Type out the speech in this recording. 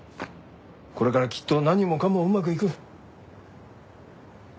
これからきっと何もかもうまくいく。